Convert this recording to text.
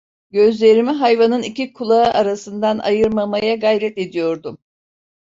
Gözlerimi hayvanın iki kulağı arasından ayırmamaya gayret ediyordum.